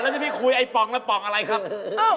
แล้วที่พี่คุยไอ้ป่องแล้วป่องอะไรครับ